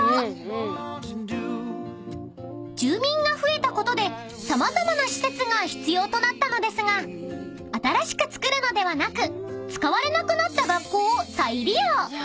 ［住民が増えたことで様々な施設が必要となったのですが新しく造るのではなく使われなくなった学校を再利用］